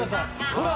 ほら！